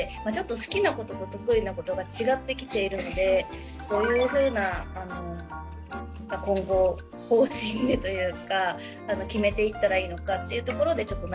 好きなことと得意なことが違ってきているのでどういうふうな今後方針でというか決めていったらいいのかっていうところでちょっと悩んでいます。